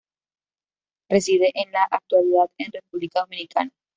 Reside en la actualidad en República Dominicana.